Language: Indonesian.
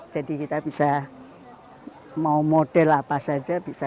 jadi kita bisa mau model apa saja bisa